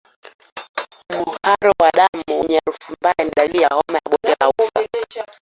Mharo wa damu wenye harufu mbaya ni dalili ya homa ya bonde la ufa